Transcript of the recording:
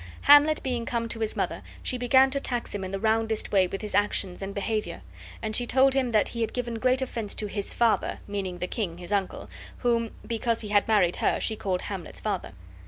Hamlet being come to his mother, she began to tax him in the roundest way with his actions and behavior, and she told him that he had given great offense to HIS FATHER, meaning the king, his uncle, whom, because he had married her, she called Hamlet's father.